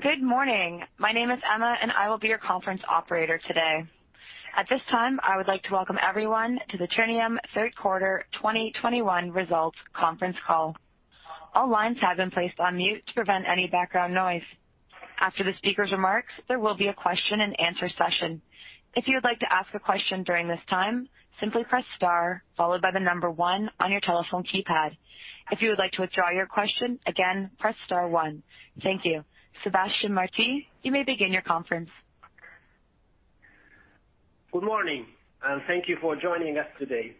Good morning. My name is Emma, and I will be your conference operator today. At this time, I would like to welcome everyone to the Ternium third quarter 2021 results conference call. All lines have been placed on mute to prevent any background noise. After the speaker's remarks, there will be a question and answer session. If you would like to ask a question during this time, simply press star followed by the number one on your telephone keypad. If you would like to withdraw your question again, press star one. Thank you. Sebastián Martí, you may begin your conference. Good morning, and thank you for joining us today.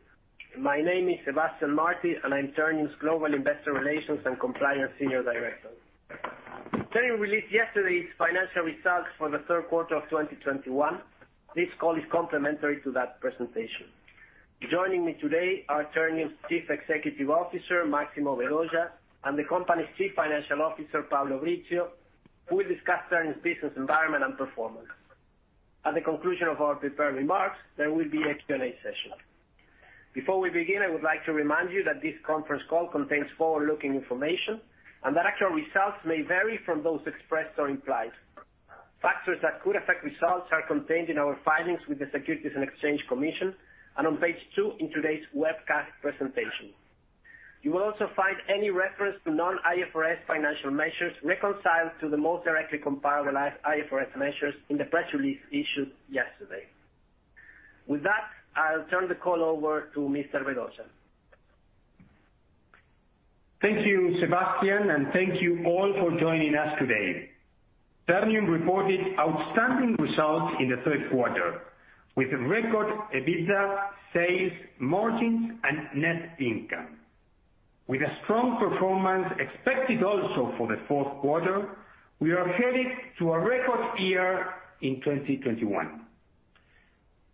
My name is Sebastián Martí, and I'm Ternium's Global Investor Relations and Compliance Senior Director. Ternium released yesterday's financial results for the third quarter of 2021. This call is complementary to that presentation. Joining me today are Ternium's Chief Executive Officer, Máximo Vedoya, and the company's Chief Financial Officer, Pablo Brizzio, who will discuss Ternium's business environment and performance. At the conclusion of our prepared remarks, there will be a Q&A session. Before we begin, I would like to remind you that this conference call contains forward-looking information and that actual results may vary from those expressed or implied. Factors that could affect results are contained in our filings with the Securities and Exchange Commission and on page two in today's webcast presentation. You will also find any reference to non-IFRS financial measures reconciled to the most directly comparable IFRS measures in the press release issued yesterday. With that, I'll turn the call over to Mr. Vedoya. Thank you, Sebastián, and thank you all for joining us today. Ternium reported outstanding results in the third quarter with record EBITDA, sales margins and net income. With a strong performance expected also for the fourth quarter, we are headed to a record year in 2021.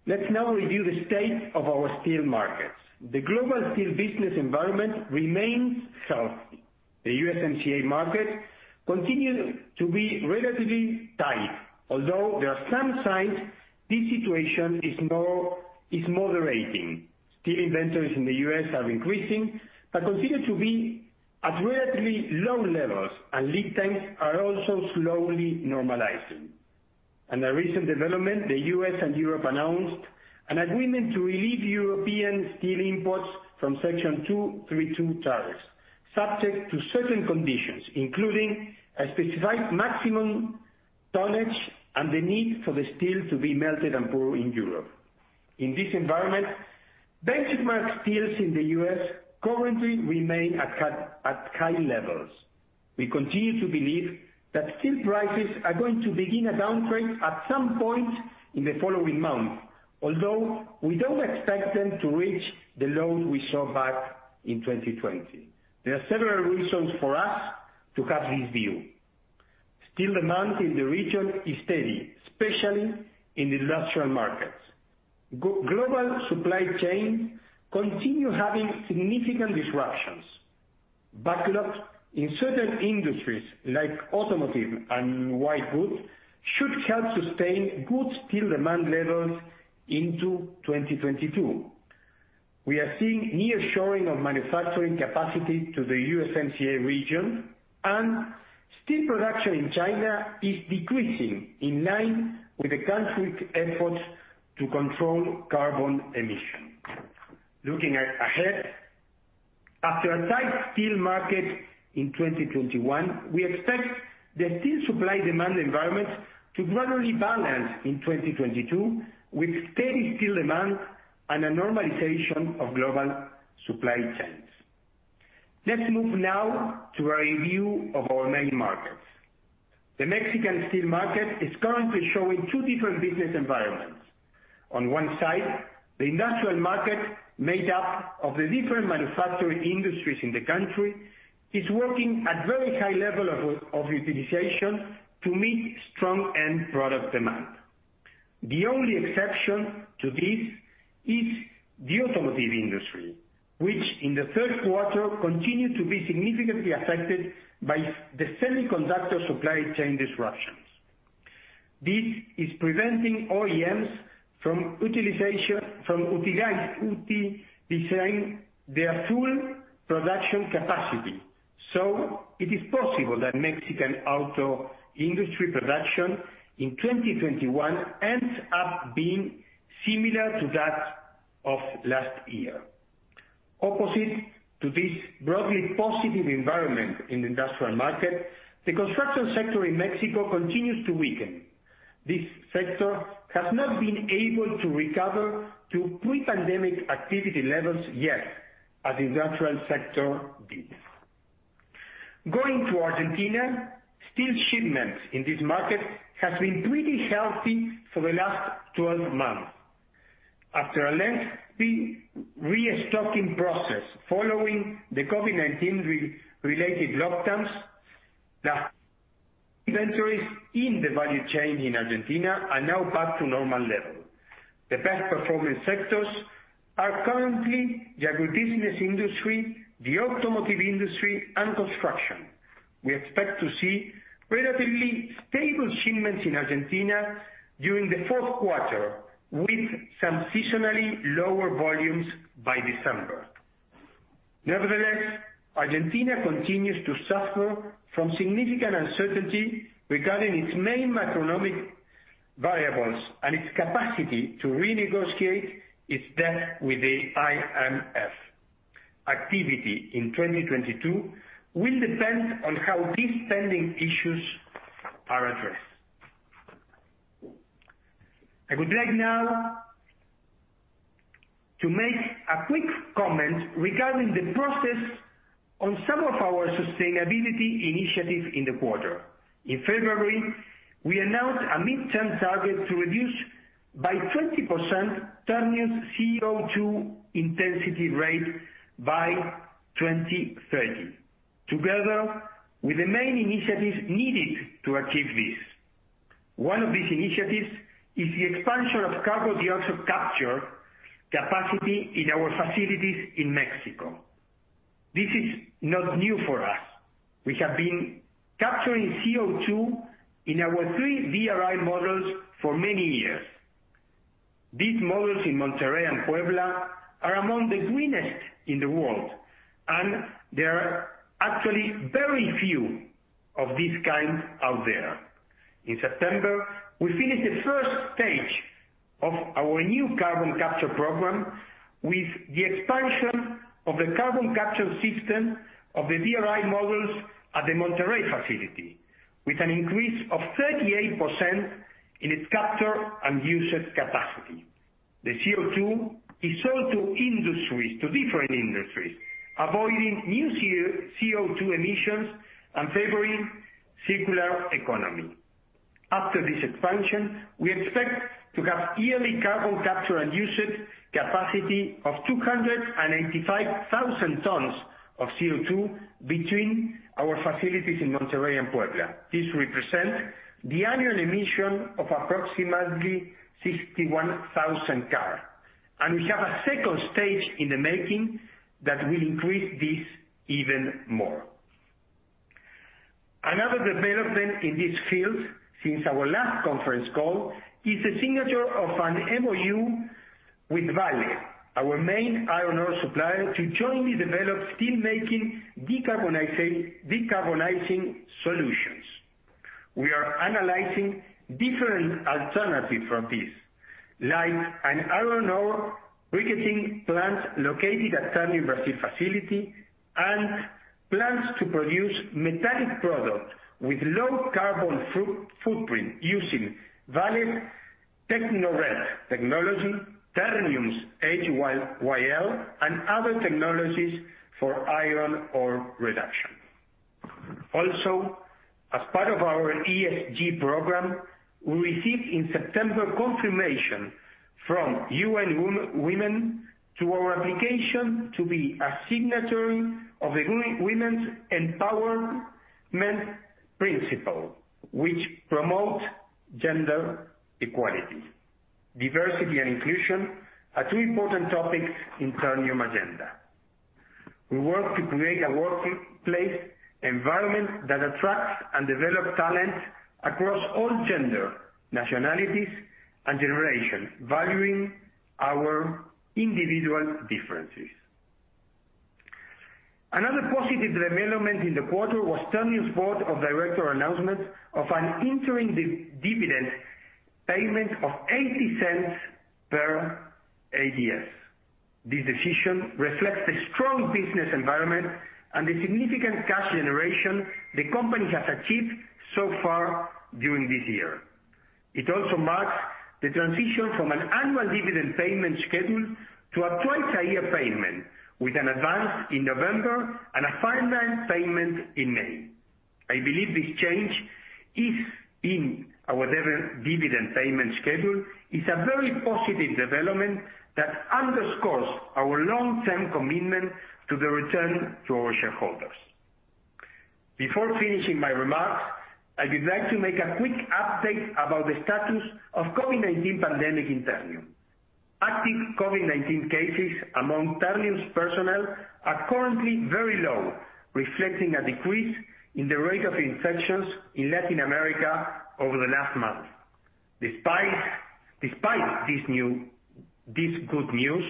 Let's now review the state of our steel markets. The global steel business environment remains healthy. The USMCA market continues to be relatively tight, although there are some signs this situation is moderating. Steel inventories in the U.S. are increasing but continue to be at relatively low levels, and lead times are also slowly normalizing. In a recent development, the U.S. and Europe announced an agreement to relieve European steel imports from Section 232 tariffs, subject to certain conditions, including a specified maximum tonnage and the need for the steel to be melted and poured in Europe. In this environment, benchmark steels in the U.S. currently remain at quite high levels. We continue to believe that steel prices are going to begin a downtrend at some point in the following months, although we don't expect them to reach the lows we saw back in 2020. There are several reasons for us to have this view. Steel demand in the region is steady, especially in the industrial markets. Global supply chains continue having significant disruptions. Backlogs in certain industries, like automotive and white goods, should help sustain good steel demand levels into 2022. We are seeing nearshoring of manufacturing capacity to the USMCA region, and steel production in China is decreasing in line with the country's efforts to control carbon emission. Looking ahead, after a tight steel market in 2021, we expect the steel supply demand environment to gradually balance in 2022, with steady steel demand and a normalization of global supply chains. Let's move now to a review of our main markets. The Mexican steel market is currently showing two different business environments. On one side, the industrial market, made up of the different manufacturing industries in the country, is working at very high level of utilization to meet strong end product demand. The only exception to this is the automotive industry, which in the third quarter continued to be significantly affected by the semiconductor supply chain disruptions. This is preventing OEMs from utilizing their full production capacity. It is possible that Mexican auto industry production in 2021 ends up being similar to that of last year. Opposite to this broadly positive environment in the industrial market, the construction sector in Mexico continues to weaken. This sector has not been able to recover to pre-pandemic activity levels yet, as the industrial sector did. Going to Argentina, steel shipments in this market has been pretty healthy for the last 12 months. After a lengthy restocking process following the COVID-19 related lockdowns, the inventories in the value chain in Argentina are now back to normal level. The best performing sectors are currently the agribusiness industry, the automotive industry, and construction. We expect to see relatively stable shipments in Argentina during the fourth quarter, with some seasonally lower volumes by December. Nevertheless, Argentina continues to suffer from significant uncertainty regarding its main economic variables and its capacity to renegotiate its debt with the IMF. Activity in 2022 will depend on how these pending issues are addressed. I would like now to make a quick comment regarding the process on some of our sustainability initiatives in the quarter. In February, we announced a midterm target to reduce by 20% Ternium's CO2 intensity rate by 2030, together with the main initiatives needed to achieve this. One of these initiatives is the expansion of carbon dioxide capture capacity in our facilities in Mexico. This is not new for us. We have been capturing CO2 in our three DRI modules for many years. These modules in Monterrey and Puebla are among the greenest in the world, and there are actually very few of these kind out there. In September, we finished the first stage of our new carbon capture program with the expansion of the carbon capture system of the DRI modules at the Monterrey facility, with an increase of 38% in its capture and usage capacity. The CO2 is sold to industries, to different industries, avoiding new CO2 emissions and favoring circular economy. After this expansion, we expect to have yearly carbon capture and usage capacity of 285,000 tons of CO2 between our facilities in Monterrey and Puebla. This represent the annual emission of approximately 61,000 cars. We have a second stage in the making that will increase this even more. Another development in this field since our last conference call is the signature of an MoU with Vale, our main iron ore supplier, to jointly develop steelmaking decarbonizing solutions. We are analyzing different alternatives for this, like an iron ore briquetting plant located at Ternium Brasil facility and plans to produce metallic products with low carbon footprint using Vale's Tecnored technology, Ternium's HYL, and other technologies for iron ore reduction. Also, as part of our ESG program, we received in September confirmation from UN Women to our application to be a signatory of the Women's Empowerment Principles, which promote gender equality. Diversity and inclusion are two important topics in Ternium's agenda. We work to create a workplace environment that attracts and develop talent across all gender, nationalities, and generations, valuing our individual differences. Another positive development in the quarter was Ternium's Board of Directors announcement of an interim dividend payment of $0.80 per ADS. This decision reflects the strong business environment and the significant cash generation the company has achieved so far during this year. It also marks the transition from an annual dividend payment schedule to a twice-a-year payment, with an advance in November and a final payment in May. I believe this change in our dividend payment schedule is a very positive development that underscores our long-term commitment to the return to our shareholders. Before finishing my remarks, I would like to make a quick update about the status of COVID-19 pandemic in Ternium. Active COVID-19 cases among Ternium's personnel are currently very low, reflecting a decrease in the rate of infections in Latin America over the last month. Despite this good news,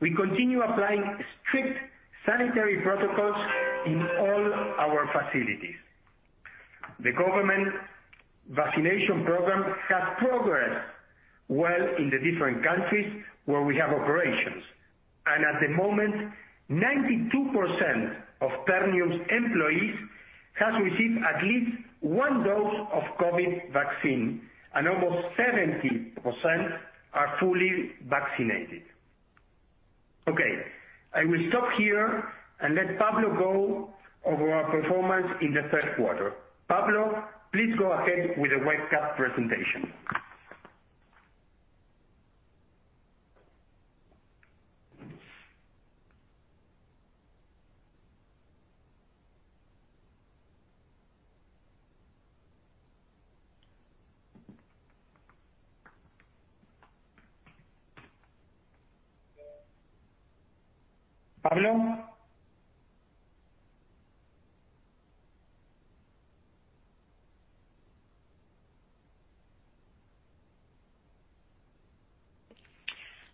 we continue applying strict sanitary protocols in all our facilities. The government vaccination program has progressed well in the different countries where we have operations, and at the moment, 92% of Ternium's employees has received at least one dose of COVID vaccine, and almost 70% are fully vaccinated. Okay, I will stop here and let Pablo go over our performance in the third quarter. Pablo, please go ahead with the webcast presentation. Pablo?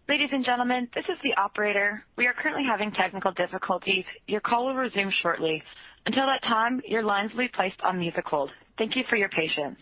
Ladies and gentlemen, this is the operator. We are currently having technical difficulties. Your call will resume shortly. Until that time, your lines will be placed on music hold. Thank you for your patience.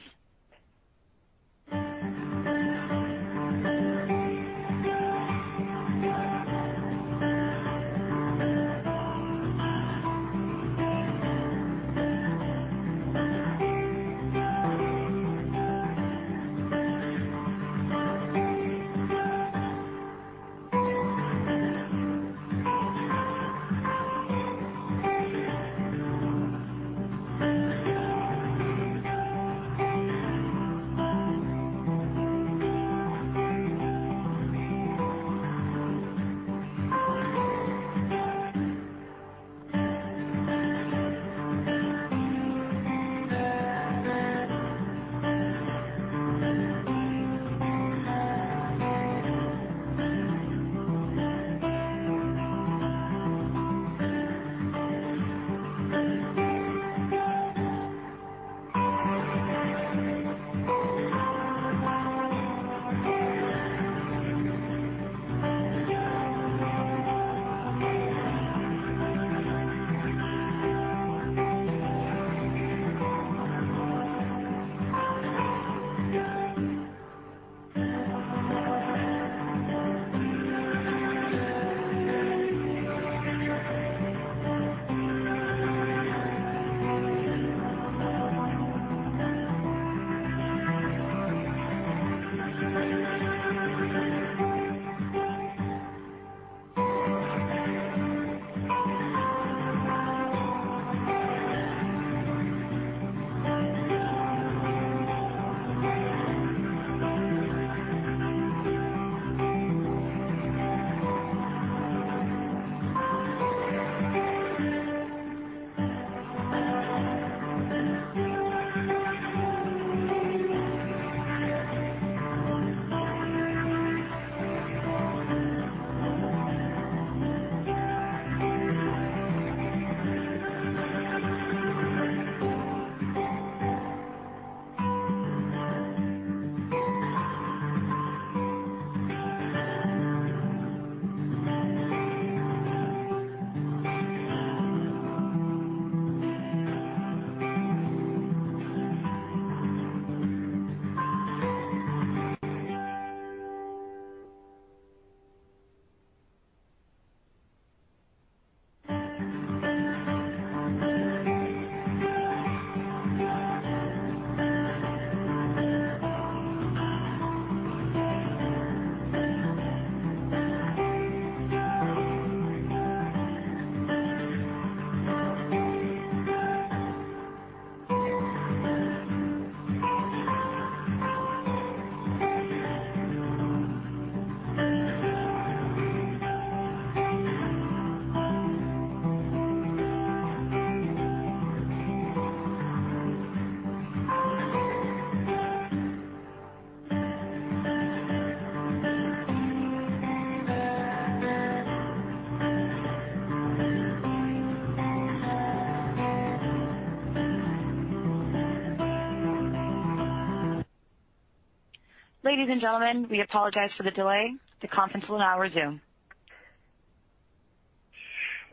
Ladies and gentlemen, we apologize for the delay. The conference will now resume.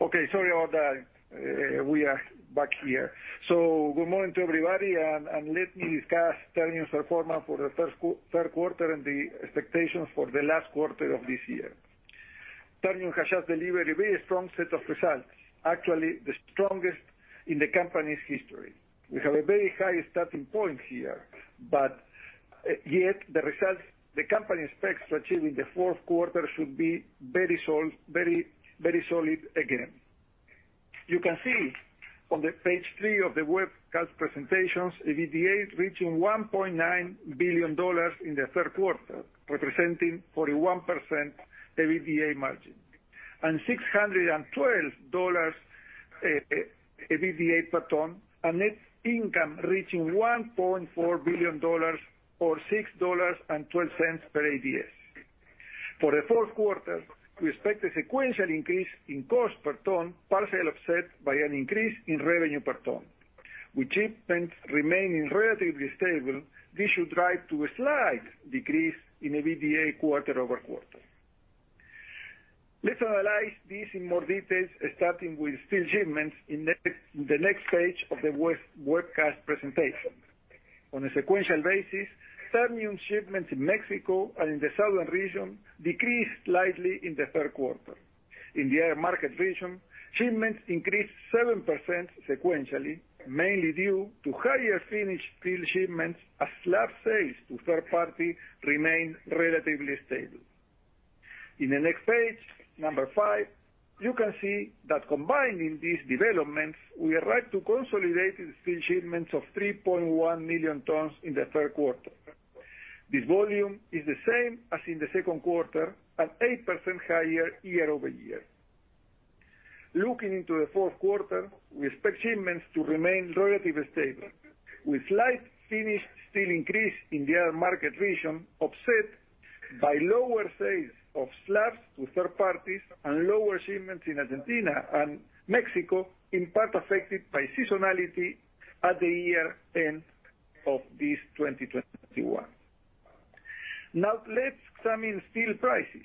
Okay, sorry about that. We are back here. Good morning to everybody and let me discuss Ternium's performance for the third quarter and the expectations for the last quarter of this year. Ternium has just delivered a very strong set of results, actually the strongest in the company's history. We have a very high starting point here, but yet the results the company expects to achieve in the fourth quarter should be very, very solid again. You can see on page three of the webcast presentations, EBITDA reaching $1.9 billion in the third quarter, representing 41% EBITDA margin and $612 EBITDA per ton and net income reaching $1.4 billion or $6.12 per ADS. For the fourth quarter, we expect a sequential increase in cost per ton, partially offset by an increase in revenue per ton. With shipments remaining relatively stable, this should drive to a slight decrease in EBITDA quarter-over-quarter. Let's analyze this in more details, starting with steel shipments in the next page of the webcast presentation. On a sequential basis, Ternium shipments in Mexico and in the southern region decreased slightly in the third quarter. In the other market region, shipments increased 7% sequentially, mainly due to higher finished steel shipments as slab sales to third party remained relatively stable. In the next page, number five, you can see that combining these developments, we arrived to consolidated steel shipments of 3.1 million tons in the third quarter. This volume is the same as in the second quarter and 8% higher year-over-year. Looking into the fourth quarter, we expect shipments to remain relatively stable, with slight finished steel increase in the other market region offset by lower sales of slabs to third parties and lower shipments in Argentina and Mexico, in part affected by seasonality at the year end of this 2021. Now let's examine steel prices.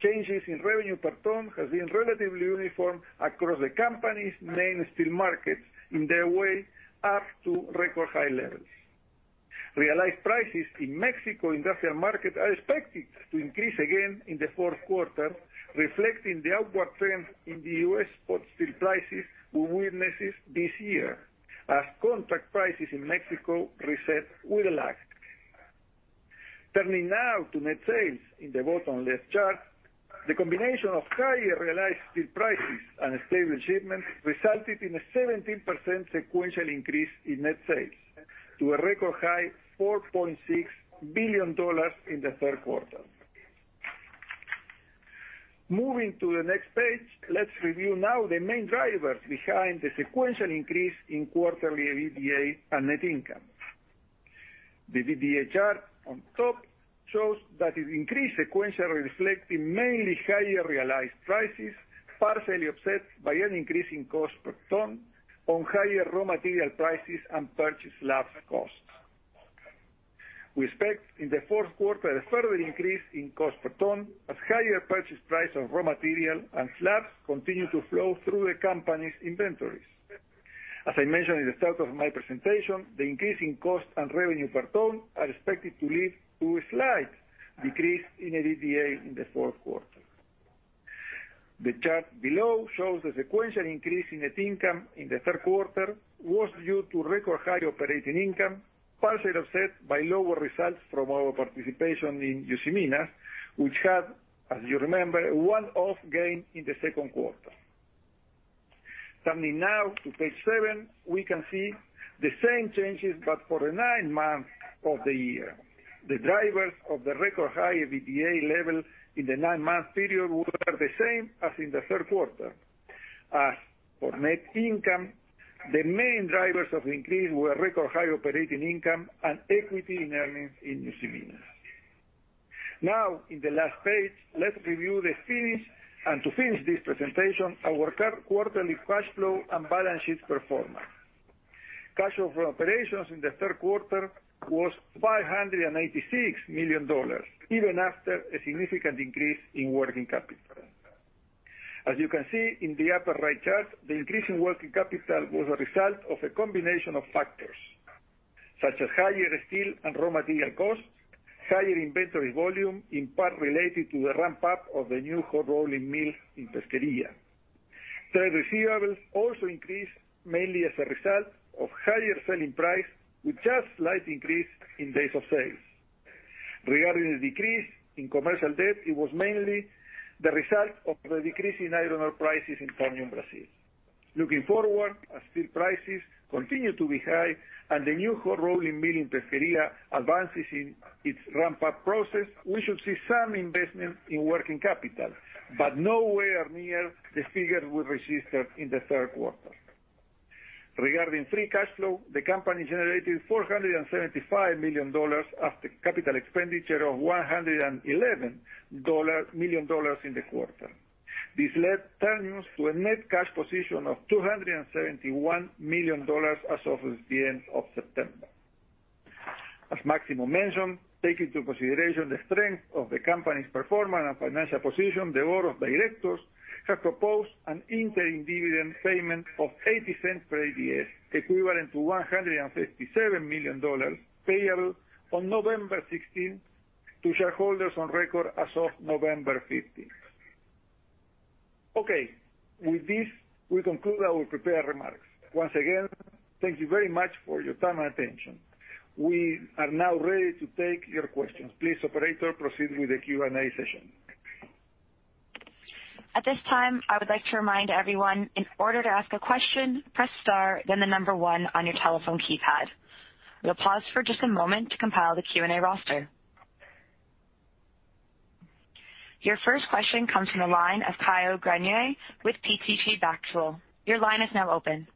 Changes in revenue per ton has been relatively uniform across the company's main steel markets on their way up to record high levels. Realized prices in Mexico industrial market are expected to increase again in the fourth quarter, reflecting the upward trend in the U.S. spot steel prices we witnessed this year, as contract prices in Mexico reset with a lag. Turning now to net sales in the bottom left chart. The combination of higher realized steel prices and stable shipments resulted in a 17% sequential increase in net sales to a record high $4.6 billion in the third quarter. Moving to the next page, let's review now the main drivers behind the sequential increase in quarterly EBITDA and net income. The EBITDA chart on top shows that it increased sequentially, reflecting mainly higher realized prices, partially offset by an increase in cost per ton on higher raw material prices and purchase slab costs. We expect in the fourth quarter a further increase in cost per ton as higher purchase price of raw material and slabs continue to flow through the company's inventories. As I mentioned at the start of my presentation, the increase in cost and revenue per ton are expected to lead to a slight decrease in EBITDA in the fourth quarter. The chart below shows the sequential increase in net income in the third quarter was due to record high operating income, partially offset by lower results from our participation in Usiminas, which had, as you remember, one-off gain in the second quarter. Turning now to page seven, we can see the same changes but for the nine months of the year. The drivers of the record high EBITDA level in the nine-month period were the same as in the third quarter. As for net income, the main drivers of increase were record high operating income and equity in earnings in Usiminas. Now in the last page, let's review the financials, and to finish this presentation, our quarterly cash flow and balance sheet performance. Cash flow from operations in the third quarter was $586 million, even after a significant increase in working capital. As you can see in the upper right chart, the increase in working capital was a result of a combination of factors, such as higher steel and raw material costs, higher inventory volume, in part related to the ramp-up of the new hot rolling mill in Pesquería. Trade receivables also increased mainly as a result of higher selling price, with just a slight increase in days of sales. Regarding the decrease in commercial debt, it was mainly the result of the decrease in iron ore prices in Ternium Brazil. Looking forward, as steel prices continue to be high and the new hot rolling mill in Pesquería advances in its ramp-up process, we should see some investment in working capital, but nowhere near the figures we registered in the third quarter. Regarding free cash flow, the company generated $475 million after capital expenditure of $111 million in the quarter. This led Ternium to a net cash position of $271 million as of the end of September. As Máximo mentioned, take into consideration the strength of the company's performance and financial position, the board of directors have proposed an interim dividend payment of $0.80 per ADS, equivalent to $157 million, payable on November 16th to shareholders on record as of November 15th. Okay. With this, we conclude our prepared remarks. Once again, thank you very much for your time and attention. We are now ready to take your questions. Please, operator, proceed with the Q&A session. At this time, I would like to remind everyone, in order to ask a question, press star then the number one on your telephone keypad. We'll pause for just a moment to compile the Q&A roster. Your first question comes from the line of Caio Greiner with BTG Pactual. Your line is now open.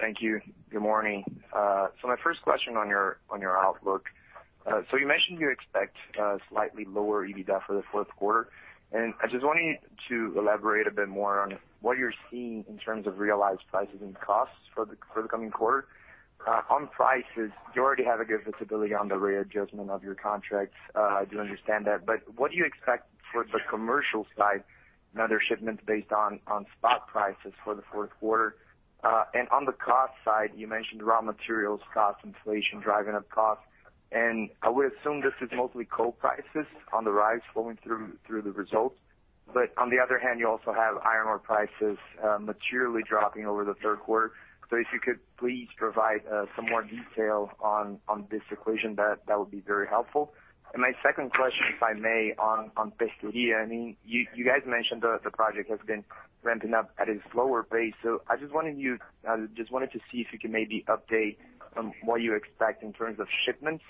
Thank you. Good morning. My first question on your outlook. You mentioned you expect slightly lower EBITDA for the fourth quarter, and I just wanted you to elaborate a bit more on what you're seeing in terms of realized prices and costs for the coming quarter. On prices, you already have a good visibility on the readjustment of your contracts. I do understand that. What do you expect for the commercial side and other shipments based on spot prices for the fourth quarter? On the cost side, you mentioned raw materials costs, inflation driving up costs, and I would assume this is mostly coal prices on the rise flowing through the results. On the other hand, you also have iron ore prices materially dropping over the third quarter. If you could please provide some more detail on this accretion, that would be very helpful. My second question, if I may, on Pesquería. I mean, you guys mentioned the project has been ramping up at a slower pace. I just wanted to see if you could maybe update on what you expect in terms of shipments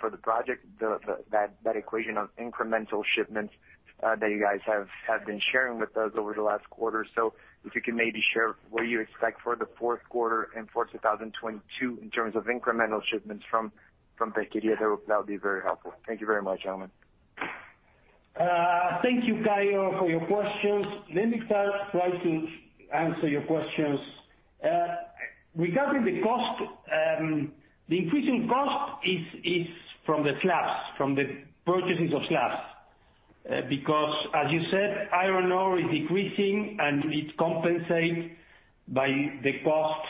for the project, that accretion of incremental shipments that you guys have been sharing with us over the last quarter. If you could maybe share what you expect for the fourth quarter and for 2022 in terms of incremental shipments from Pesquería, that would be very helpful. Thank you very much, gentlemen. Thank you, Caio, for your questions. Let me start to try to answer your questions. Regarding the cost, the increasing cost is from the slabs, from the purchases of slabs. Because as you said, iron ore is decreasing and it compensates by the cost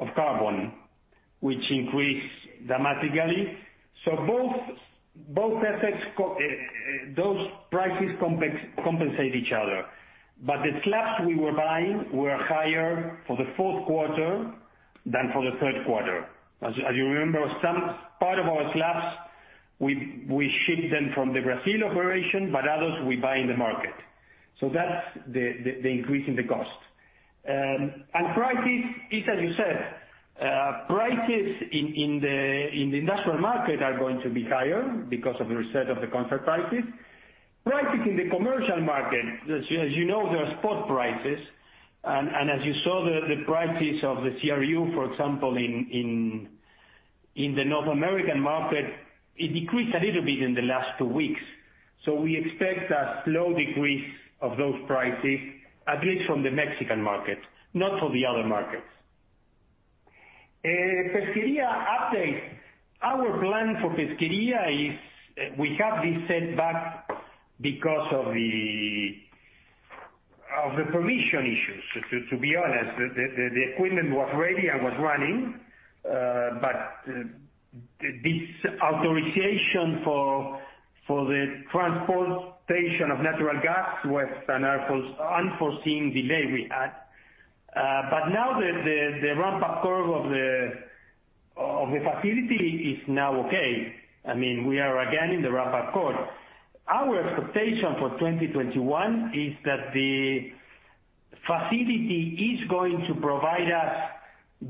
of carbon, which increased dramatically. Both aspects, those prices compensate each other. But the slabs we were buying were higher for the fourth quarter than for the third quarter. As you remember, some part of our slabs, we ship them from the Brazil operation, but others we buy in the market. That's the increase in the cost. And prices, it's as you said, prices in the industrial market are going to be higher because of the reset of the contract prices. Prices in the commercial market, you know, they're spot prices. As you saw the prices of the CRU, for example, in the North American market, it decreased a little bit in the last two weeks. We expect a slow decrease of those prices, at least from the Mexican market, not for the other markets. Pesquería update. Our plan for Pesquería is we have this setback because of the permission issues, to be honest. The equipment was ready and was running, but this authorization for the transportation of natural gas was an unforeseen delay we had. But now the ramp-up curve of the facility is now okay. I mean, we are again in the ramp-up curve. Our expectation for 2021 is that the facility is going to provide us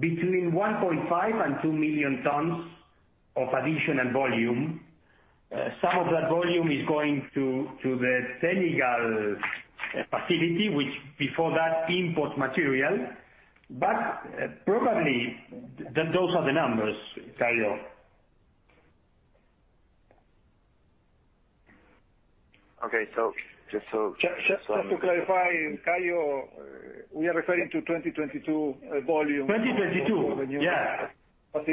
between 1.5 and 2 million tons of additional volume. Some of that volume is going to the Senegal facility, which before that imported material. Probably those are the numbers, Caio. Okay. Just to clarify, Caio, we are referring to 2022 volume- 2022. The new facility in Pesquería. From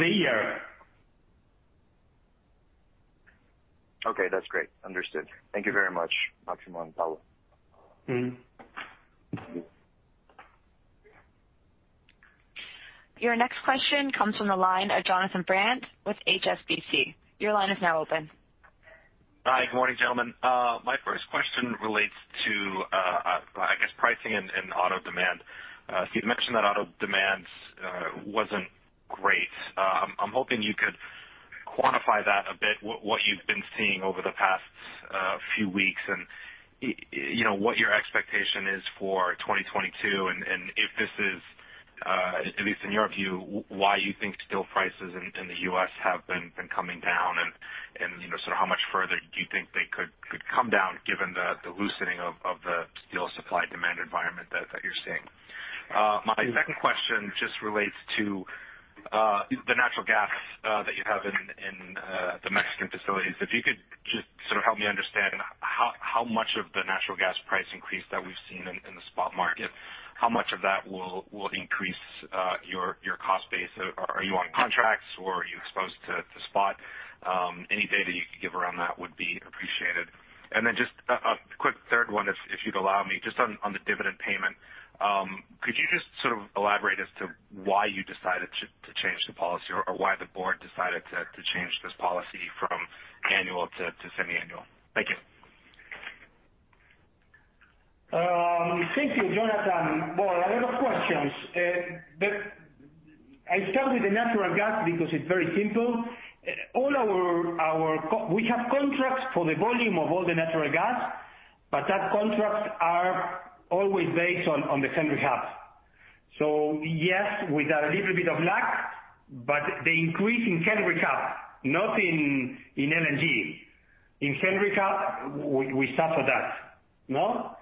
the year. Okay, that's great. Understood. Thank you very much, Máximo and Pablo. Mm-hmm. Your next question comes from the line of Jonathan Brandt with HSBC. Your line is now open. Hi, good morning, gentlemen. My first question relates to, I guess, pricing and auto demand. So you'd mentioned that auto demand wasn't great. I'm hoping you could quantify that a bit. What you've been seeing over the past few weeks and, you know, what your expectation is for 2022 and if this is, at least in your view, why you think steel prices in the U.S. have been coming down and, you know, sort of how much further do you think they could come down given the loosening of the steel supply demand environment that you're seeing? Mm-hmm. My second question just relates to the natural gas that you have in the Mexican facilities. If you could just sort of help me understand how much of the natural gas price increase that we've seen in the spot market, how much of that will increase your cost base? Are you on contracts or are you exposed to spot? Any data you could give around that would be appreciated. Then just a quick third one if you'd allow me, just on the dividend payment. Could you just sort of elaborate as to why you decided to change the policy or why the board decided to change this policy from annual to semi-annual? Thank you. Thank you, Jonathan. Well, a lot of questions. I'll start with the natural gas because it's very simple. We have contracts for the volume of all the natural gas, but those contracts are always based on the Henry Hub. Yes, with a little bit of luck, but the increase in Henry Hub, not in LNG. In Henry Hub, we suffer that, no?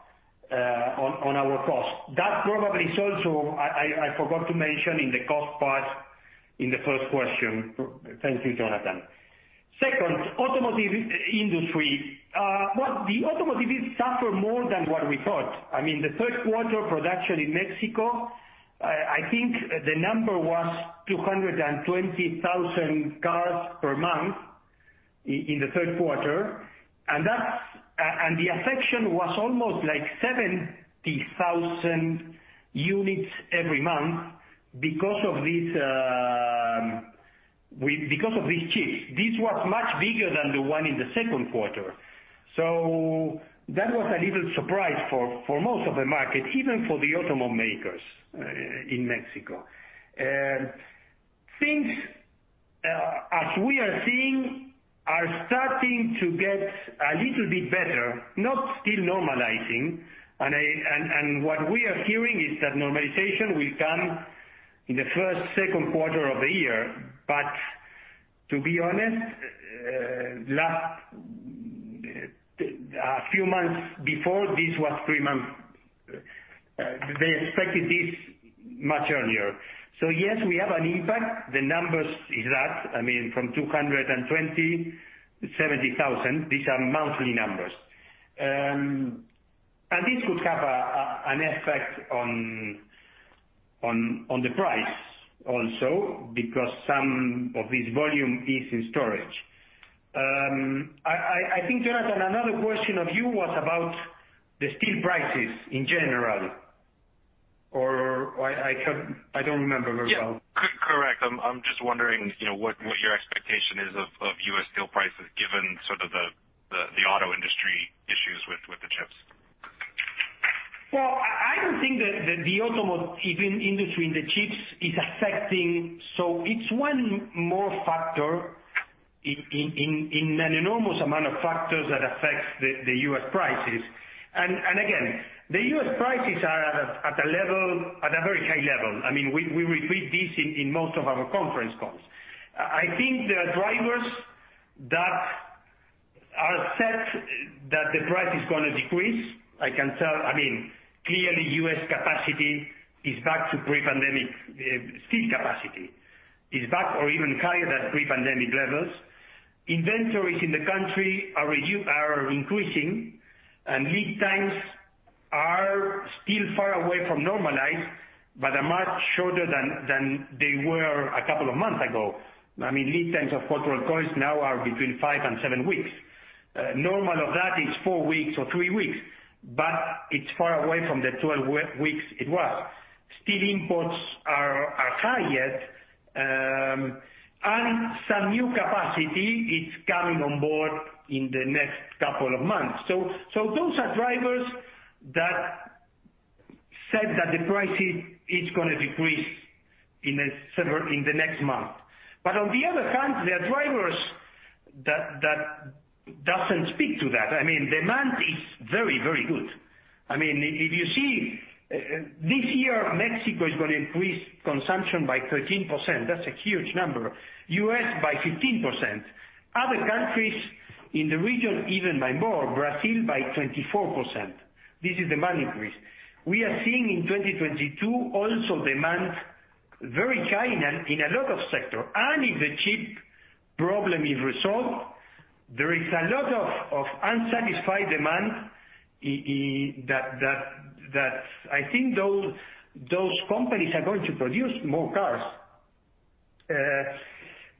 On our cost. That probably is also I forgot to mention in the cost part in the first question. Thank you, Jonathan. Second, automotive industry. Well, the automotive did suffer more than what we thought. I mean, the third quarter production in Mexico, I think the number was 220,000 cars per month in the third quarter. The reduction was almost like 70,000 units every month because of these chips. This was much bigger than the one in the second quarter. That was a little surprise for most of the market, even for the automobile makers in Mexico. Things as we are seeing are starting to get a little bit better but not yet normalizing. What we are hearing is that normalization will come in the first, second quarter of the year. To be honest, last few months before, this was three months. They expected this much earlier. Yes, we have an impact. The numbers is that, I mean, from 220,000 to 70,000. These are monthly numbers. This would have an effect on the price also, because some of this volume is in storage. I think, Jonathan, another question to you was about the steel prices in general, or I can't. I don't remember very well. Yeah. Correct. I'm just wondering, you know, what your expectation is of U.S. steel prices given sort of the auto industry issues with the chips. Well, I don't think that the automotive even industry and the chips is affecting. It's one more factor in an enormous amount of factors that affects the U.S. prices. Again, the U.S. prices are at a level, at a very high level. I mean we repeat this in most of our conference calls. I think there are drivers that are set that the price is gonna decrease. I can tell, I mean, clearly U.S. capacity is back to pre-pandemic steel capacity or even higher than pre-pandemic levels. Inventories in the country are increasing and lead times are still far away from normalized, but are much shorter than they were a couple of months ago. I mean, lead times of coated coils now are between five and seven weeks. Normal of that is four weeks or three weeks, but it's far away from the 12 weeks it was. Steel imports are high yet, and some new capacity is coming on board in the next couple of months. Those are drivers that say that the price is gonna decrease in the next month. On the other hand, there are drivers that doesn't speak to that. I mean, demand is very good. I mean, if you see, this year Mexico is gonna increase consumption by 13%. That's a huge number. U.S. by 15%. Other countries in the region, even by more. Brazil by 24%. This is demand increase. We are seeing in 2022 also demand very high in a lot of sector. If the chip problem is resolved, there is a lot of unsatisfied demand in that I think those companies are going to produce more cars.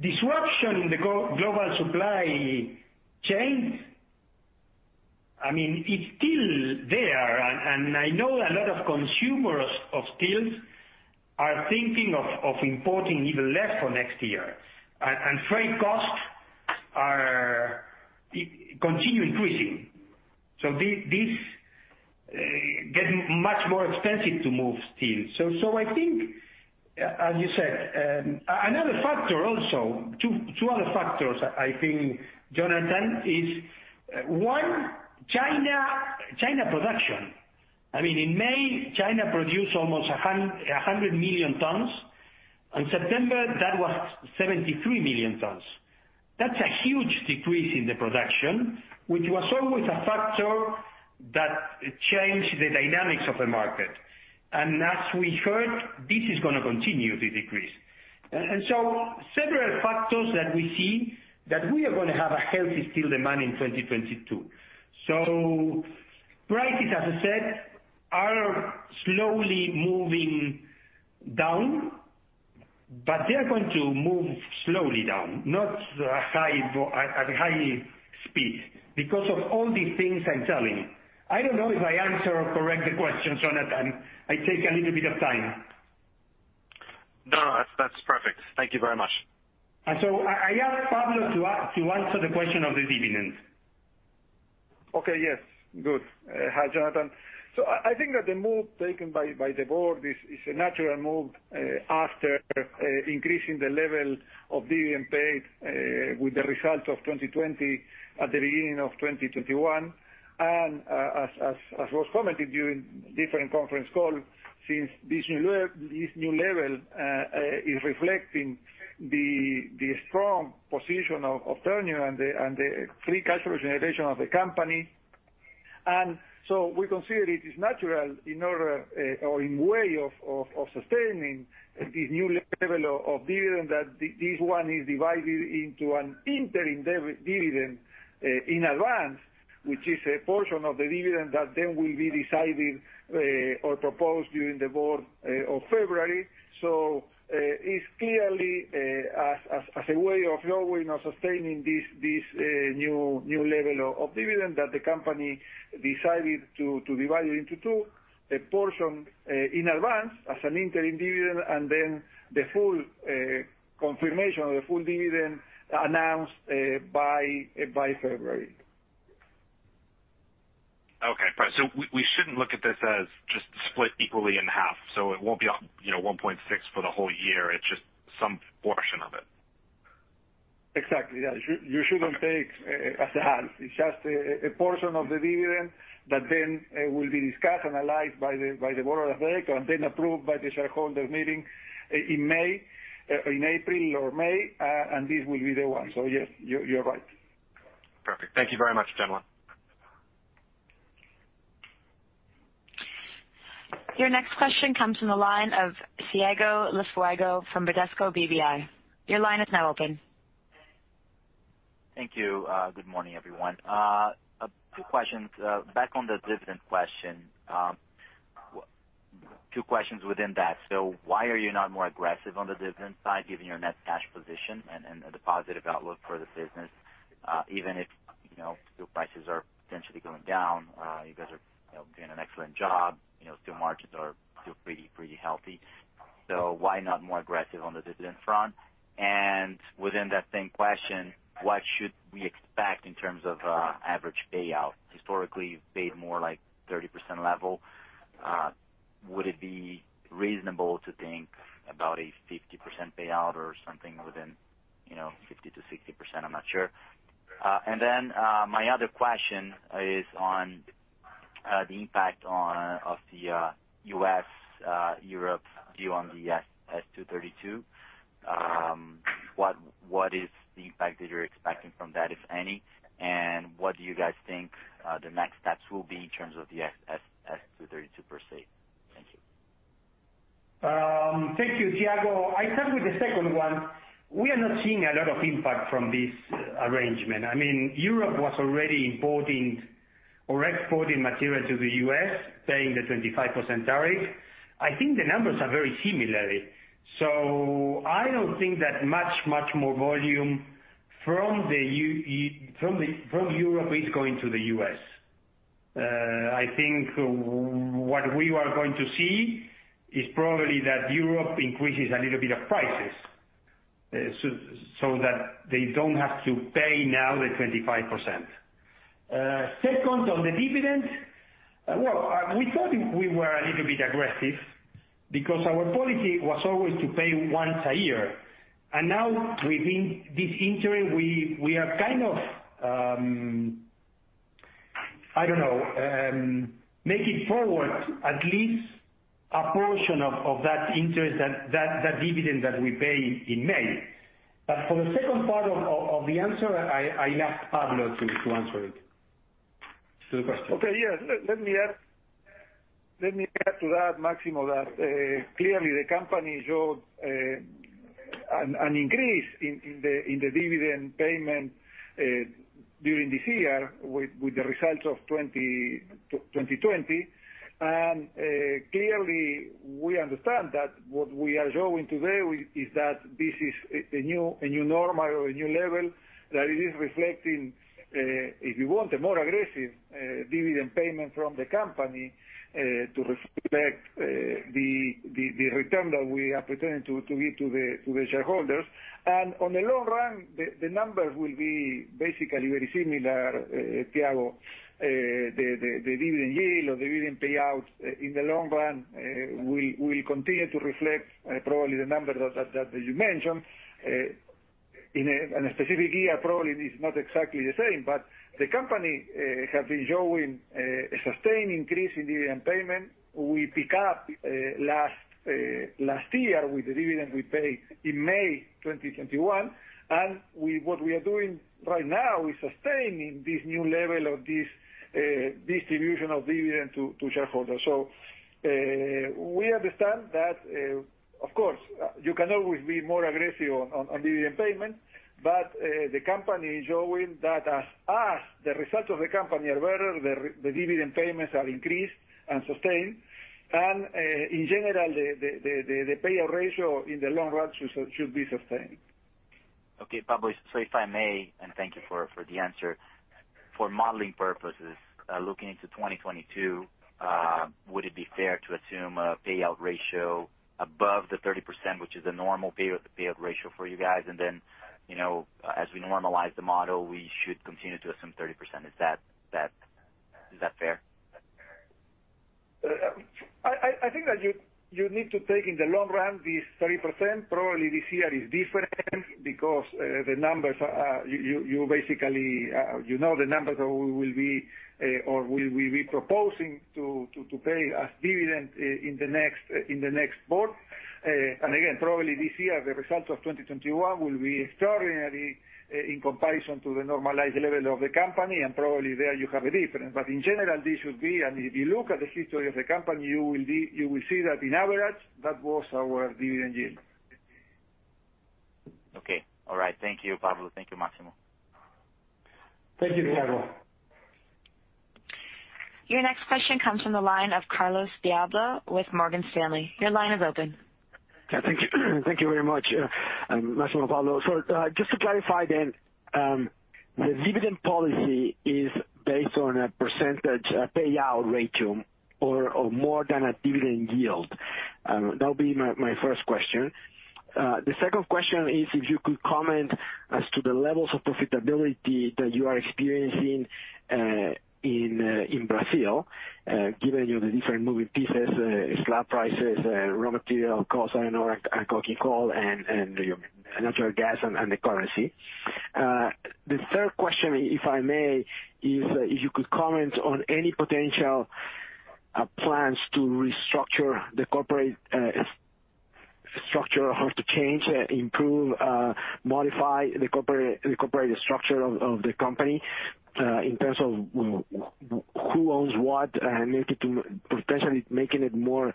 Disruption in the global supply chain, I mean, it's still there and I know a lot of consumers of steel are thinking of importing even less for next year. Freight costs are continuing to increase. This gets much more expensive to move steel. I think, as you said, another factor also, two other factors I think, Jonathan, is one, China production. I mean, in May, China produced almost 100 million tons. In September, that was 73 million tons. That's a huge decrease in the production, which was always a factor that changed the dynamics of the market. As we heard, this is gonna continue to decrease. Several factors that we see that we are gonna have a healthy steel demand in 2022. Prices, as I said, are slowly moving down, but they are going to move slowly down, not at high speed because of all these things I'm telling you. I don't know if I answer or correct the question, Jonathan. I take a little bit of time. No, no. That's, that's perfect. Thank you very much. I ask Pablo to answer the question of the dividends. Okay. Yes. Good. Hi, Jonathan. I think that the move taken by the Board is a natural move after increasing the level of dividend paid with the result of 2020 at the beginning of 2021. As was commented during different conference call, since this new level is reflecting the strong position of Ternium and the free cash flow generation of the company. We consider it is natural in order or in way of sustaining this new level of dividend that this one is divided into an interim dividend in advance, which is a portion of the dividend that then will be decided or proposed during the Board of February. It's clearly as a way of knowing or sustaining this new level of dividend that the company decided to divide it into two. A portion in advance as an interim dividend, and then the full confirmation or the full dividend announced by February. Okay. We shouldn't look at this as just split equally in half. It won't be, you know, $1.6 for the whole year. It's just some portion of it. Exactly. Yeah. You shouldn't take as a half. It's just a portion of the dividend that then will be discussed, analyzed by the board of directors, and then approved by the shareholder meeting in April or May. This will be the one. Yes, you're right. Perfect. Thank you very much, gentlemen. Your next question comes from the line of Thiago Lofiego from Bradesco BBI. Your line is now open. Thank you. Good morning, everyone. A few questions. Back on the dividend question, two questions within that. Why are you not more aggressive on the dividend side given your net cash position and the positive outlook for the business? Even if, you know, steel prices are potentially going down, you guys are, you know, doing an excellent job. You know, steel margins are still pretty healthy. Why not more aggressive on the dividend front? And within that same question, what should we expect in terms of average payout? Historically, you've paid more like 30% level. Would it be reasonable to think about a 50% payout or something within, you know, 50%-60%? I'm not sure. My other question is on the impact of the U.S., Europe view on the Section 232. What is the impact that you're expecting from that, if any? What do you guys think the next steps will be in terms of the Section 232 per se? Thank you. Thank you, Thiago. I start with the second one. We are not seeing a lot of impact from this arrangement. I mean, Europe was already importing or exporting material to the U.S. paying the 25% tariff. I think the numbers are very similar. I don't think that much more volume from Europe is going to the U.S. I think what we are going to see is probably that Europe increases a little bit of prices, so that they don't have to pay now the 25%. Second, on the dividend, well, we thought we were a little bit aggressive because our policy was always to pay once a year. In the interim, we are kind of, I don't know, moving forward at least a portion of that interest, that dividend that we pay in May. For the second part of the answer, I'll ask Pablo to answer it. To the question. Okay, yes. Let me add to that, Máximo, that clearly the company showed an increase in the dividend payment during this year with the results of 2020. Clearly we understand that what we are showing today is that this is a new normal or a new level that is reflecting, if you want, a more aggressive dividend payment from the company to reflect the return that we are intending to give to the shareholders. On the long run, the numbers will be basically very similar, Thiago. The dividend yield or the dividend payout in the long run will continue to reflect probably the number that you mentioned. In a specific year, probably it is not exactly the same. The company have been showing a sustained increase in dividend payment. We picked up last year with the dividend we paid in May 2021, and what we are doing right now is sustaining this new level of this distribution of dividend to shareholders. We understand that of course you can always be more aggressive on dividend payment, but the company is showing that as the results of the company are better, the dividend payments have increased and sustained. In general, the payout ratio in the long run should be sustained. Okay, Pablo. If I may, and thank you for the answer. For modeling purposes, looking into 2022, would it be fair to assume a payout ratio above the 30%, which is the normal payout ratio for you guys? Then, you know, as we normalize the model, we should continue to assume 30%. Is that fair? I think that you need to take in the long run this 30%. Probably this year is different because the numbers are. You basically, you know the numbers that we'll be proposing to pay as dividend in the next board. Again, probably this year the results of 2021 will be extraordinary in comparison to the normalized level of the company, and probably there you have a difference. In general, this should be, and if you look at the history of the company, you will see that on average, that was our dividend yield. Okay. All right. Thank you, Pablo. Thank you, Máximo. Thank you, Thiago. Your next question comes from the line of Carlos de Alba with Morgan Stanley. Your line is open. Yeah. Thank you. Thank you very much, Máximo and Pablo. Just to clarify then, the dividend policy is based on a percentage payout ratio or more than a dividend yield? That would be my first question. The second question is if you could comment as to the levels of profitability that you are experiencing in Brazil, given the different moving pieces, slab prices, raw material costs, iron ore and coking coal and your natural gas and the currency. The third question, if I may, is if you could comment on any potential plans to restructure the corporate structure have to change, improve, modify the corporate structure of the company in terms of who owns what, and make it potentially making it more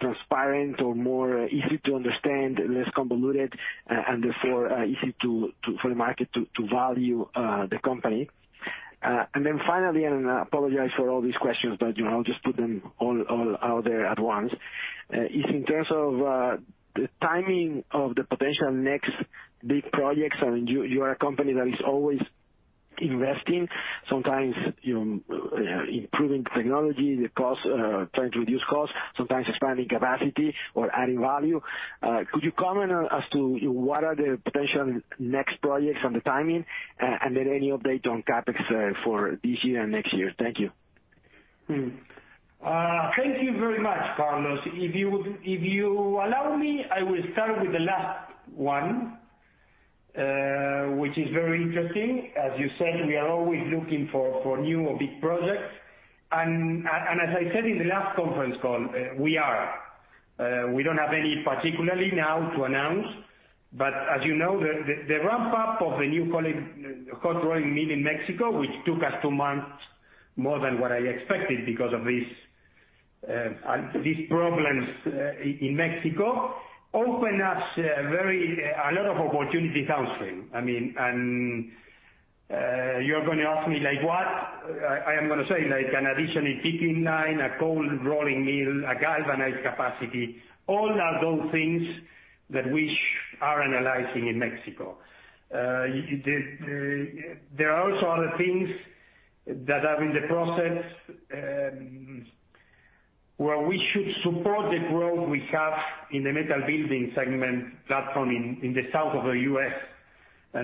transparent or more easy to understand, less convoluted, and therefore easy for the market to value the company. Then finally, I apologize for all these questions, but you know, I'll just put them all out there at once. Is in terms of the timing of the potential next big projects. I mean, you are a company that is always investing. Sometimes, you know, improving technology, the cost, trying to reduce cost, sometimes expanding capacity or adding value. Could you comment on as to what are the potential next projects and the timing, and then any update on CapEx for this year and next year? Thank you. Thank you very much, Carlos. If you allow me, I will start with the last one, which is very interesting. As you said, we are always looking for new or big projects. And as I said in the last conference call, we are. We don't have any particularly now to announce, but as you know, the ramp up of the new hot rolling mill in Mexico, which took us two months more than what I expected because of these problems in Mexico, opened us a lot of opportunities downstream. I mean, you're gonna ask me like, "What?" I am gonna say like an additional dipping line, a cold rolling mill, a galvanized capacity. All those things that we are analyzing in Mexico. There are also other things that are in the process, where we should support the growth we have in the metal building segment platform in the South of the U.S. I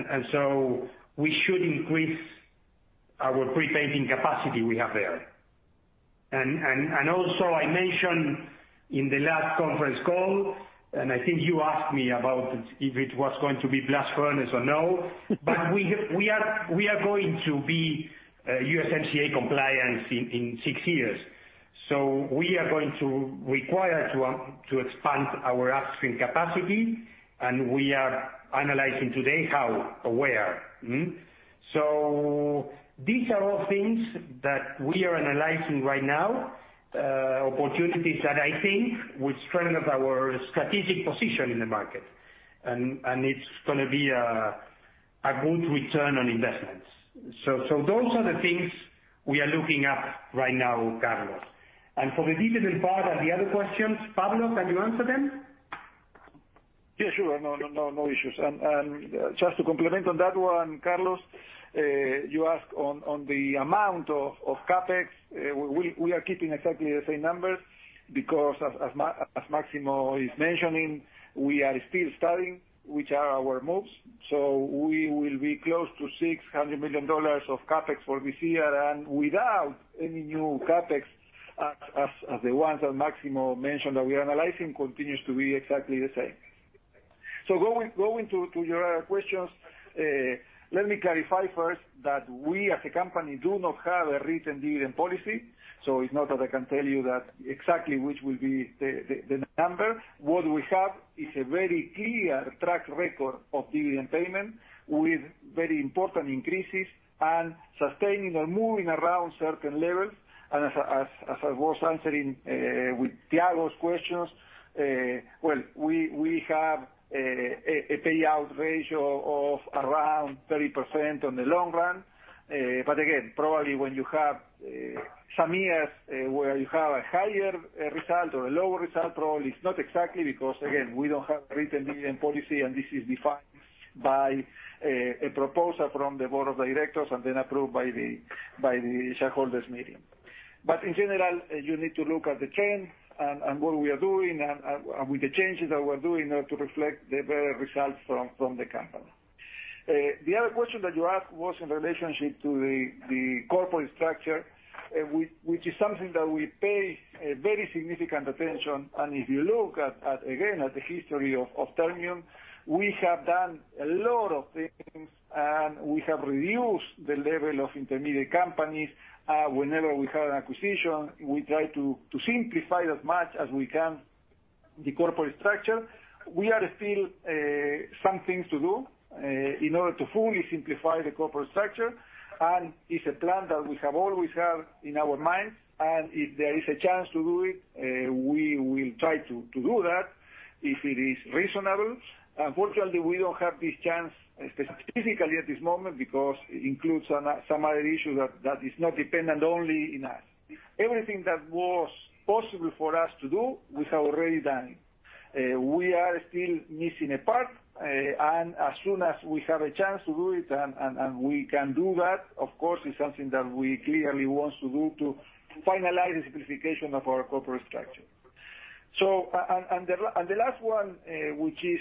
mentioned in the last conference call, and I think you asked me about it, if it was going to be blast furnace or no. We are going to be USMCA compliant in six years. We are going to require to expand our upstream capacity, and we are analyzing today how or where. These are all things that we are analyzing right now, opportunities that I think will strengthen our strategic position in the market. It's gonna be a good return on investments. Those are the things we are looking at right now, Carlos. For the dividend part and the other questions, Pablo, can you answer them? Yeah, sure. No issues. Just to comment on that one, Carlos, you asked on the amount of CapEx. We are keeping exactly the same numbers because as Máximo is mentioning, we are still studying which are our moves. We will be close to $600 million of CapEx for this year and without any new CapEx. As the ones that Máximo mentioned that we are analyzing continues to be exactly the same. Going to your questions, let me clarify first that we as a company do not have a recent dividend policy, so it's not that I can tell you that exactly which will be the number. What we have is a very clear track record of dividend payment with very important increases and sustaining or moving around certain levels. As I was answering with Thiago's questions, well, we have a payout ratio of around 30% on the long run. Again, probably when you have some years where you have a higher result or a lower result, probably it's not exactly, because again, we don't have a written dividend policy and this is defined by a proposal from the board of directors and then approved by the shareholders meeting. In general, you need to look at the trend and what we are doing and with the changes that we're doing to reflect the better results from the company. The other question that you asked was in relationship to the corporate structure, which is something that we pay very significant attention to. If you look at, again, at the history of Ternium, we have done a lot of things, and we have reduced the level of intermediate companies. Whenever we have an acquisition, we try to simplify as much as we can the corporate structure. We still have something to do in order to fully simplify the corporate structure. It's a plan that we have always had in our minds. If there is a chance to do it, we will try to do that if it is reasonable. Unfortunately, we don't have this chance specifically at this moment because it includes some other issue that is not dependent only on us. Everything that was possible for us to do, we have already done. We are still missing a part. As soon as we have a chance to do it and we can do that, of course it's something that we clearly want to do to finalize the simplification of our corporate structure. The last one, which is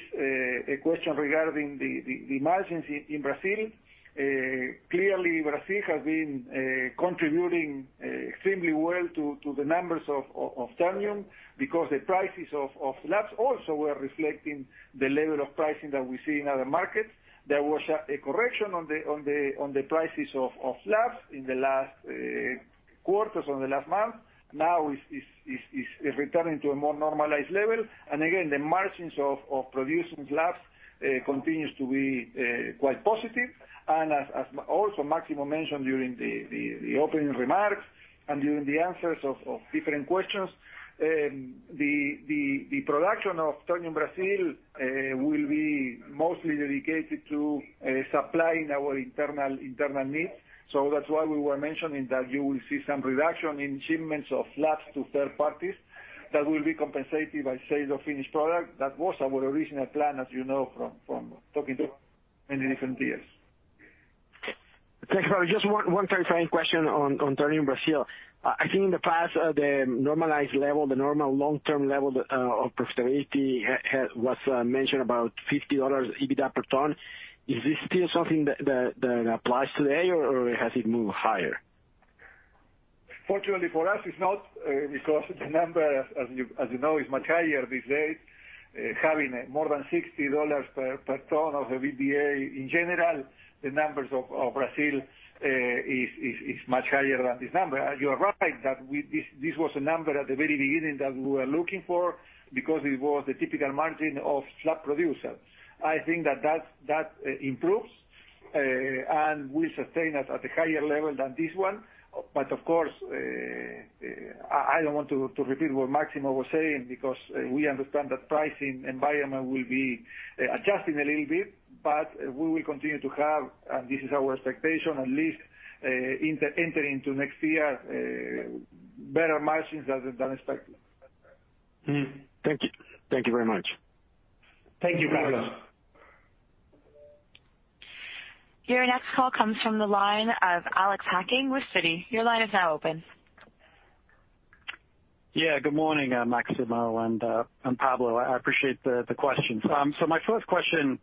a question regarding the margins in Brazil. Clearly Brazil has been contributing extremely well to the numbers of Ternium because the prices of slabs also were reflecting the level of pricing that we see in other markets. There was a correction on the prices of slabs in the last quarters or in the last month. Now it is returning to a more normalized level. Again, the margins of producing slabs continues to be quite positive. As also Máximo mentioned during the opening remarks and during the answers of different questions, the production of Ternium Brasil will be mostly dedicated to supplying our internal needs. That's why we were mentioning that you will see some reduction in shipments of slabs to third parties that will be compensated by sale of finished product. That was our original plan, as you know, over many different years. Thank you. Just one clarifying question on Ternium Brasil. I think in the past, the normalized level, the normal long-term level of profitability was mentioned about $50 EBITDA per ton. Is this still something that applies today, or has it moved higher? Fortunately for us, it's not because the number, as you know, is much higher these days, having more than $60 per ton of EBITDA. In general, the numbers of Brazil is much higher than this number. You are right that this was a number at the very beginning that we were looking for because it was the typical margin of slab producer. I think that improves, and we sustain it at a higher level than this one. Of course, I don't want to repeat what Máximo was saying because we understand that pricing environment will be adjusting a little bit, but we will continue to have, and this is our expectation, at least, enter into next year, better margins than expected. Thank you. Thank you very much. Thank you, Pablo. Your next call comes from the line of Alex Hacking with Citi. Your line is now open. Yeah. Good morning, Máximo and Pablo. I appreciate the questions. My first question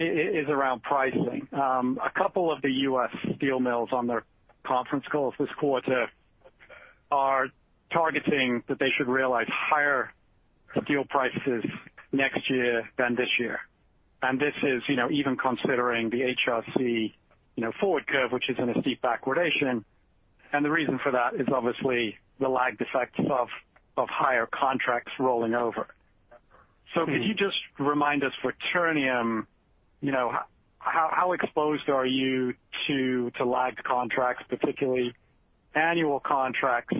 is around pricing. A couple of the U.S. steel mills on their conference calls this quarter are targeting that they should realize higher steel prices next year than this year. This is, you know, even considering the HRC, you know, forward curve, which is in a steep backwardation. The reason for that is obviously the lagged effect of higher contracts rolling over. Could you just remind us for Ternium, you know, how exposed are you to lagged contracts, particularly annual contracts,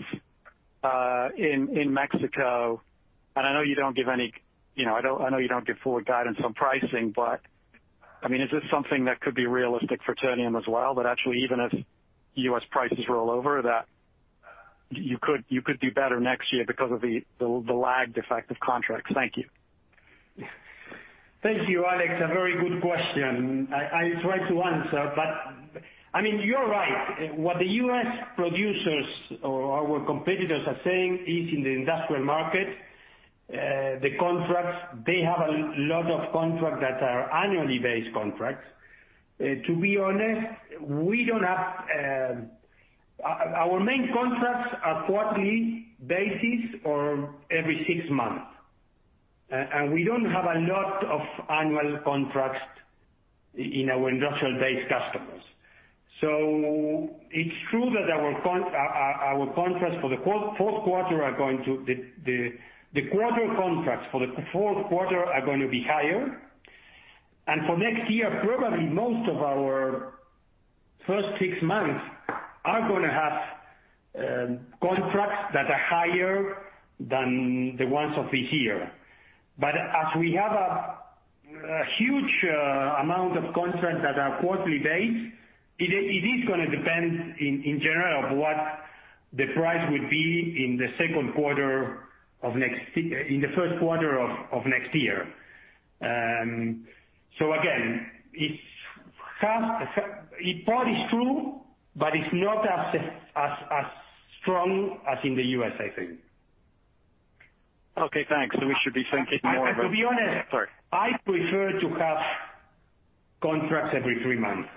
in Mexico? I know you don't give any, you know, forward guidance on pricing, but I mean, is this something that could be realistic for Ternium as well? That actually, even if U.S. prices roll over, that you could do better next year because of the lagged effect of contracts. Thank you. Thank you, Alex. A very good question. I try to answer, but I mean, you're right. What the U.S. producers or our competitors are saying is in the industrial market, the contracts, they have a lot of contracts that are annually based contracts. To be honest, we don't have. Our main contracts are quarterly basis or every six months. And we don't have a lot of annual contracts in our industrial base customers. So it's true that our contracts for the fourth quarter are going to be higher. The quarter contracts for the fourth quarter are going to be higher. For next year, probably most of our first six months are gonna have contracts that are higher than the ones of this year. As we have a huge amount of contracts that are quarterly based, it is gonna depend in general on what the price would be in the first quarter of next year. Again, it's half true, but it's not as strong as in the U.S., I think. Okay, thanks. We should be thinking more of a To be honest. Sorry. I prefer to have contracts every three months.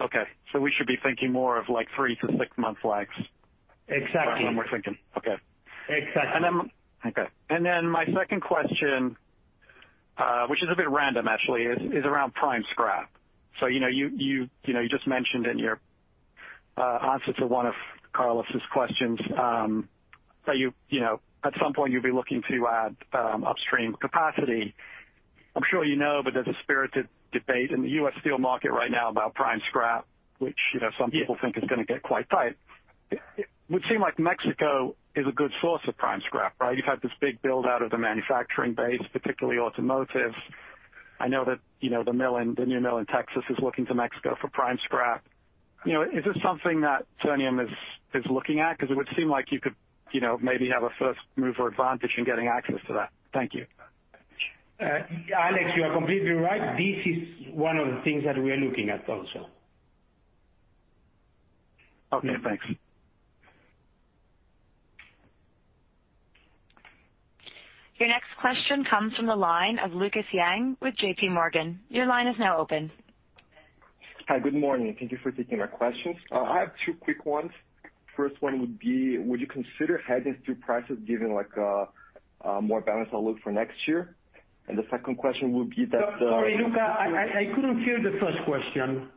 Okay. We should be thinking more of, like, three to six-month lags. Exactly. That's what I'm more thinking. Okay. Exactly. Okay. My second question, which is a bit random actually, is around prime scrap. So you know, you just mentioned in your answer to one of Carlos's questions, that you know, at some point you'll be looking to add upstream capacity. I'm sure you know, but there's a spirited debate in the U.S. steel market right now about prime scrap, which, you know, some people think is gonna get quite tight. It would seem like Mexico is a good source of prime scrap, right? You've had this big build out of the manufacturing base, particularly automotive. I know that, you know, the new mill in Texas is looking to Mexico for prime scrap. You know, is this something that Ternium is looking at? Because it would seem like you could, you know, maybe have a first mover advantage in getting access to that. Thank you. Alex, you are completely right. This is one of the things that we are looking at also. Okay, thanks. Your next question comes from the line of Lucas Yang with JPMorgan. Your line is now open. Hi. Good morning. Thank you for taking my questions. I have two quick ones. First one would be, would you consider hedging through prices given, like, a more balanced outlook for next year? The second question would be that, Sorry, Luca. I couldn't hear the first question.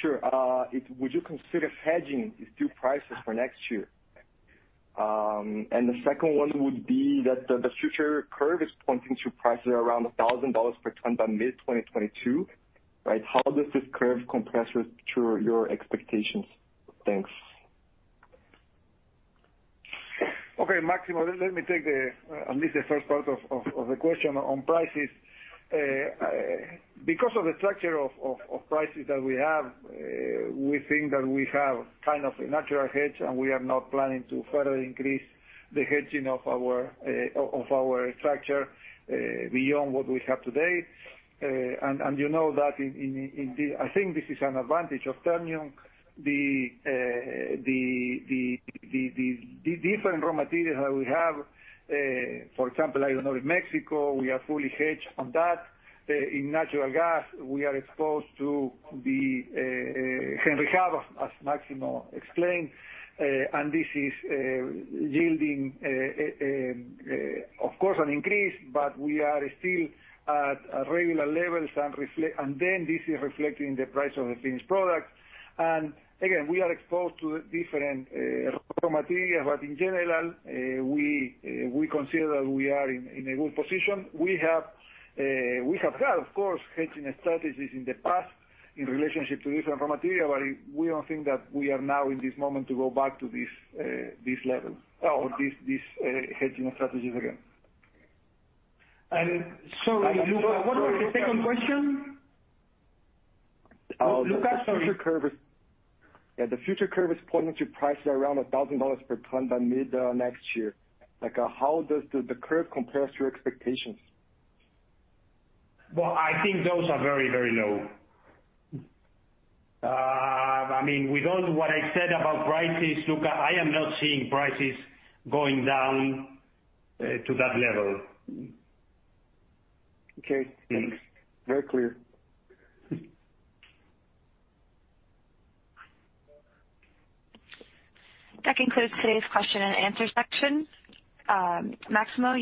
Sure. Would you consider hedging the steel prices for next year? The second one would be that the future curve is pointing to prices around $1,000 per ton by mid-2022, right? How does this curve compare to your expectations? Thanks. Okay, Máximo, let me take at least the first part of the question on prices. Because of the structure of prices that we have, we think that we have kind of a natural hedge, and we are not planning to further increase the hedging of our structure beyond what we have today. You know that I think this is an advantage of Ternium. The different raw materials that we have, for example, I don't know, in Mexico, we are fully hedged on that. In natural gas, we are exposed to the Henry Hub, as Máximo explained. This is yielding, of course, an increase, but we are still at regular levels and then this is reflecting the price of the finished product. Again, we are exposed to different raw materials. In general, we consider that we are in a good position. We have had, of course, hedging strategies in the past in relationship to different raw material, we don't think that we are now in this moment to go back to this level or this hedging strategies again. Sorry, Luca, what was the second question? Luca? Sorry. Yeah, the future curve is pointing to prices around $1,000 per ton by mid next year. Like, how does the curve compare to your expectations? Well, I think those are very, very low. What I said about prices, Luca, I am not seeing prices going down to that level. Okay, thanks. Very clear. That concludes today's question and answer section. Máximo,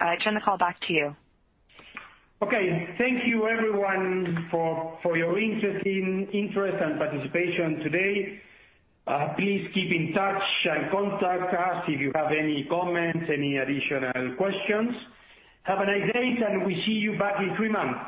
I turn the call back to you. Okay, thank you everyone for your interest and participation today. Please keep in touch and contact us if you have any comments, any additional questions. Have a nice day, and we see you back in three months.